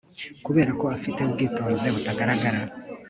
Kubera ko afite ubwitonzi butagaragara